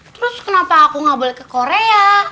terus kenapa aku gak balik ke korea